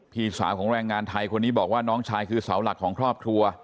พี่สาวของแรงงานไทยคนนี้บอกว่าน้องชายคือเสาหลักของครอบครัว